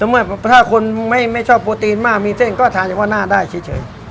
เมื่อถ้าคนไม่ชอบโปรตีนมากมีเส้นก็ทานเฉพาะหน้าได้เฉย